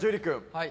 はい。